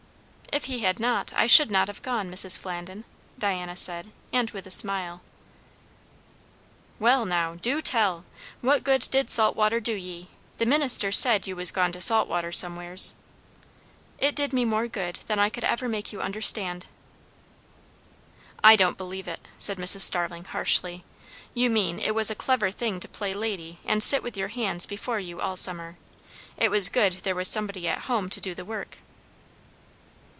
"If he had not, I should not have gone, Mrs. Flandin," Diana said, and with a smile. "Well now, du tell! what good did salt water do ye? The minister said you was gone to salt water somewheres." "It did me more good than I could ever make you understand." "I don't believe it!" said Mrs. Starling harshly. "You mean, it was a clever thing to play lady and sit with your hands before you all summer. It was good there was somebody at home to do the work."